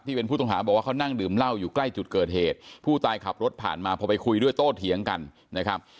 เป็นผู้ต้องหาบอกว่าเขานั่งดื่มเหล้าอยู่ใกล้จุดเกิดเหตุผู้ตายขับรถผ่านมาพอไปคุยด้วยโต้เถียงกันนะครับ